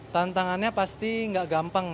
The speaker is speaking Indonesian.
tantangannya pasti gak gampang